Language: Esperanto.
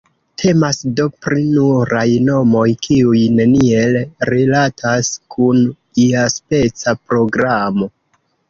Temas do pri nuraj nomoj, kiuj neniel rilatas kun iaspeca programo.